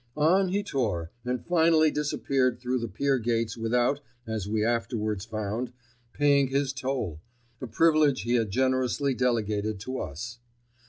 On he tore, and finally disappeared through the pier gates without, as we afterwards found, paying his toll, a privilege he had generously delegated to us.